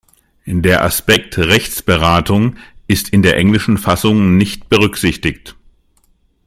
Der Aspekt "Rechtsberatung" ist in der englischen Fassung nicht berücksichtigt.